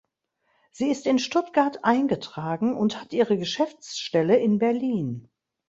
Sie ist in Stuttgart eingetragen und hat ihre Geschäftsstelle in Berlin.